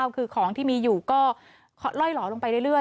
คือของที่มีอยู่ก็ล่อยหล่อลงไปเรื่อย